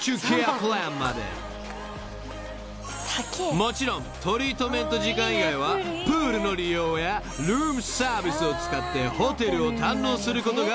［もちろんトリートメント時間以外はプールの利用やルームサービスを使ってホテルを堪能することが可能］